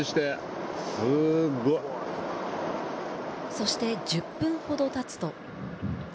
そして１０分ほど経つと。